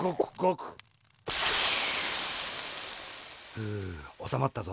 フウおさまったぞ。